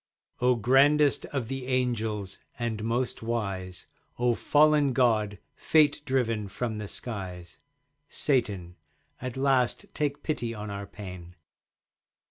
O grandest of the Angels, and most wise, O fallen God, fate driven from the skies, Satan, at last take pity on our pain.